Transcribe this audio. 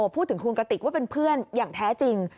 พูดถึงคุณกติกว่าเป็นเพื่อนอย่างแท้จริง